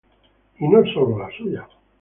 Y no sólo la suya.